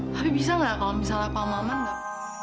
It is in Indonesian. tapi bisa gak kalau misalnya pak maman gak